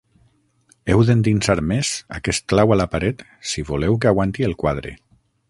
Heu d'endinsar més aquest clau a la paret, si voleu que aguanti el quadre.